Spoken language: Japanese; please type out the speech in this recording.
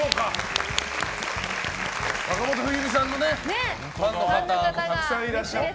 坂本冬美さんのファンの方もたくさんいらっしゃって。